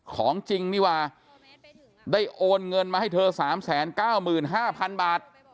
ของจริงนี่ว่าได้โอนเงินมาให้เธอ๓๙๕๐๐๐บาท